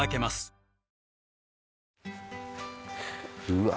うわ